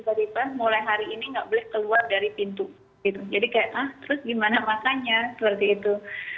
jadi tiba tiba mulai hari ini nggak boleh keluar dari pintu jadi kayak ah terus gimana makannya seperti itu